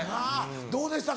どうでした？